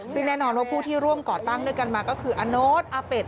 ซึ่งแน่นอนว่าผู้ที่ร่วมก่อตั้งด้วยกันมาก็คืออาโน๊ตอาเป็ด